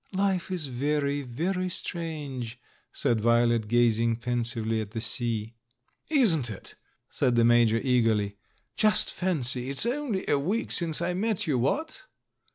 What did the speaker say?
"Life is very, very strange," said Violet, gaz ing pensively at the sea. "Isn't it?" said the Major eagerly. "Just fancy, it's only a week since I met you, what?"